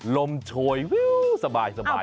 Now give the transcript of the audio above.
ล้มโชยครับสบายทีเดียว